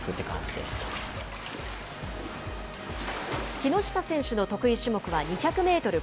木下選手の得意種目は２００メートル